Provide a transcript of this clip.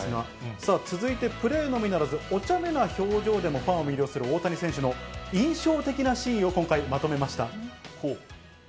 さあ、続いてプレーのみならず、おちゃめな表情でもファンを魅了する大谷選手の印象的なシーンを、今回、まとめました。